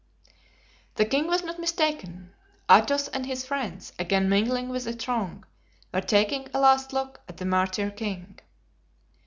The king was not mistaken. Athos and his friends, again mingling with the throng, were taking a last look at the martyr king.